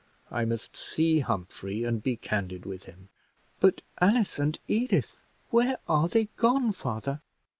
I must see Humphrey and be candid with him.". "But Alice and Edith where are they gone, father?"